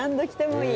いい。